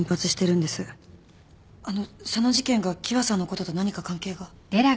あのその事件が喜和さんのことと何か関係が？